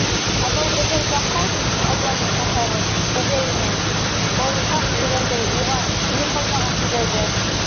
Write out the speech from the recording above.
Анау быжыр баҡа, алланың ҡәһәре, үгәй инә — бауырһаҡ, тигәндәй, уға ни ҡалмаған, биҙәүгә!